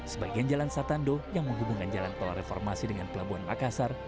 sebagian jalan satando yang menghubungkan jalan tol reformasi dengan pelabuhan makassar